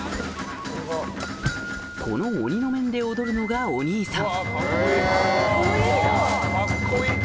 この鬼の面で踊るのがお兄さん